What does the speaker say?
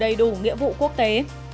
đầy đủ nghĩa vụ quốc tế